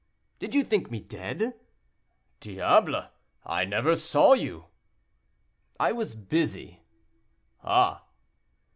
"Did you think me dead?" "Diable! I never saw you." "I was busy." "Ah!"